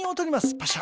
パシャ。